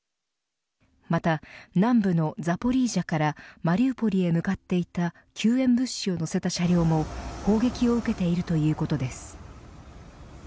また南部のザポリージャからマリウポリへ向かっていた救援物資を乗せた車両も砲撃を受けているということです。